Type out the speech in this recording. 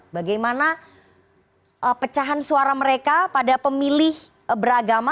bagaimana pecahan suara mereka pada pemilih beragama